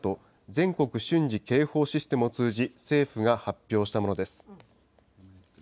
・全国瞬時警報システムを通じ、政府が発表したものです。